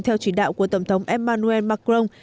theo chỉ đạo của tổng thống emmanuel macron